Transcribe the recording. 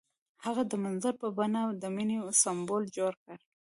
هغه د منظر په بڼه د مینې سمبول جوړ کړ.